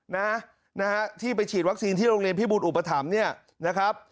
นะฮะนะฮะที่ไปฉีดวัคซีนที่โรงเรียนพิบูลอุปถัมภ์เนี่ยนะครับ